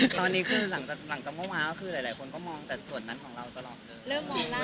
ตอนนี้คือหลังจำว่าหลายคนก็มองจากส่วนนั้นของเราตลอดเลย